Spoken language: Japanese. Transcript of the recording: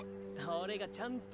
俺がちゃんと。